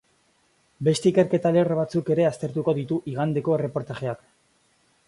Beste ikerketa lerro batzuk ere aztertuko ditu igandeko erreportajeak.